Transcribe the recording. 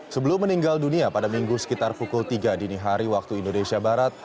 sebelum meninggal dunia pada minggu sekitar pukul tiga dini hari waktu indonesia barat